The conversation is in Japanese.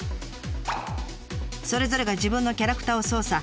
それぞれが自分のキャラクターを操作。